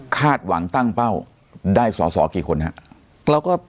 คาดหวังตั้งเป้าได้สอสอกี่คนครับ